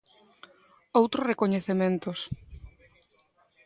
Outros recoñecementos.